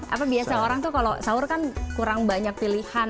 apa biasa orang tuh kalau sahur kan kurang banyak pilihan